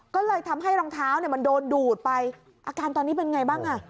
ก็เลยทำให้รองเท้าเนี่ยมันโดนดูดไปอาการตอนนี้เป็นไงบ้างอ่ะ